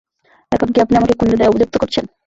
এখন কি আপনি আমাকে খুনের দায়ে অভিযুক্ত করছেন?